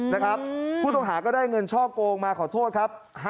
นะครับผู้ต้องหาก็ได้เงินช่อโกงมาขอโทษครับ